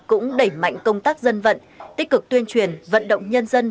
cũng đẩy mạnh công tác dân vận tích cực tuyên truyền vận động nhân dân